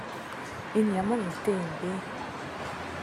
Энэ ямар үнэтэй юм бэ?